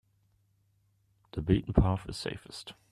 The beaten path is safest.